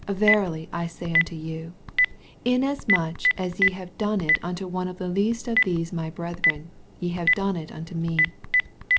Verily I say nnto yon, Inasmuch as ye have done it unto one of the least of these my brethren, ye have done it unto me.